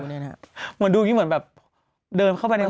เหมือนดูอย่างนี้เหมือนแบบเดินเข้าไปใน